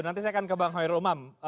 nanti saya akan ke bang hoirul umam